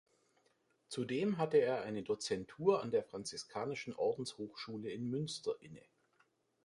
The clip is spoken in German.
Zudem hatte er eine Dozentur an der franziskanischen Ordenshochschule in Münster inne.